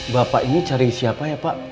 bapak ini cari siapa ya pak